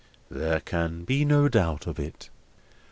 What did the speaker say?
"There can be no doubt of it."